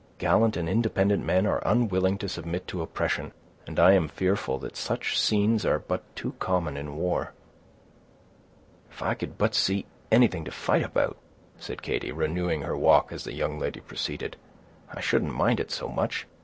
Gallant and independent men are unwilling to submit to oppression; and I am fearful that such scenes are but too common in war." "If I could but see anything to fight about," said Katy, renewing her walk as the young lady proceeded, "I shouldn't mind it so much.